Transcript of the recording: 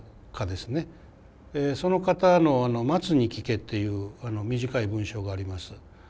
その方の「松に聞け」っていう短い文章があります。